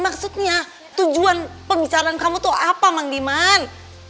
maksudnya tujuan pembicaraan kamu itu apa mang diman